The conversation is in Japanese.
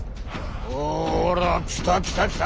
「そら来た来た来た！